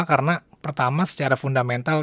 karena pertama secara fundamental